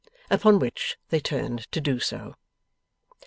Upon which they turned to do so.